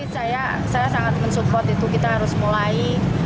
jadi saya sangat men support itu kita harus mulai